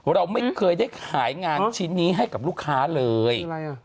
เราไม่เคยได้ขายงานชิ้นนี้ให้กับลูกค้าเลย